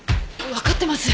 分かってます。